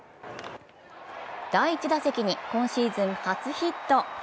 第１打席に今シーズン初ヒット。